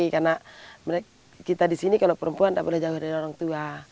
karena kita di sini kalau perempuan tidak boleh jauh dari orang tua